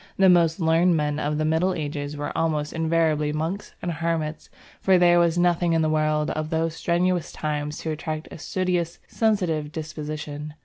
The most learned men of the Middle Ages were almost invariably monks and hermits, for there was nothing in the world of those strenuous times to attract a studious, sensitive disposition.